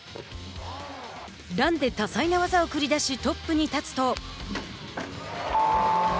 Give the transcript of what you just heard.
ランで多彩な技を繰り出しトップに立つと。